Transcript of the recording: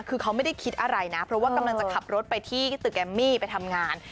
คือเขาไม่ได้คิดอะไรนะเพราะว่ากำลังจะขับรถไปที่ตึกแกมมี่ไปทำงาน